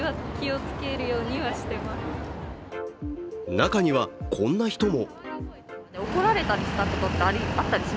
中にはこんな人も。